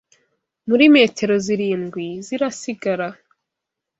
Muri metero zirindwi zirasigara